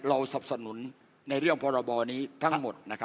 รอสรรพสนุนหรอกทั้งหมด